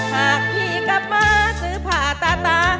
ภากพี่กับเมื่อซื้อผ่าตา